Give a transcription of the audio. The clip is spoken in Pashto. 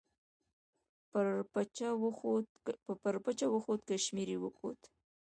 پر پچه وخوت، کشمیر یې وکوت.